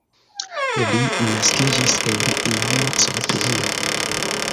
Li naskiĝis en iama Sovetunio.